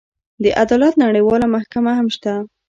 د عدالت نړیواله محکمه هم شته.